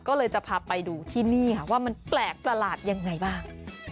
ก็เลยจะพาไปดูที่นี่ค่ะว่ามันแปลกประหลาดยังไงบ้าง